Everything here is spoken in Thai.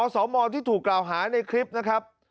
สมที่ถูกกล่าวหาในคลิปนะครับ